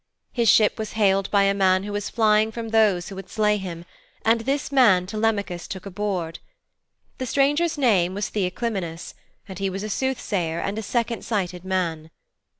His ship was hailed by a man who was flying from those who would slay him, and this man Telemachus took aboard. The stranger's name was Theoclymenus, and he was a sooth sayer and a second sighted man.